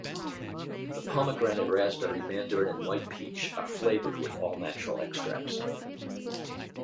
The Pomegranate Raspberry, Mandarin, and White Peach are flavored with all natural extracts.